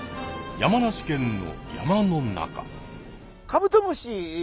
山梨県の山の中。